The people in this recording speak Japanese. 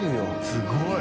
すごい。